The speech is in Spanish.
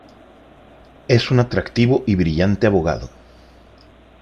Es un atractivo y brillante abogado.